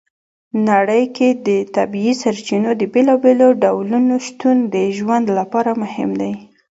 نړۍ کې د طبیعي سرچینو د بېلابېلو ډولو شتون د ژوند لپاره مهم دی.